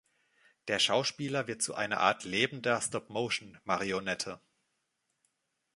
Der Schauspieler wird zu einer Art lebender Stop-Motion-Marionette.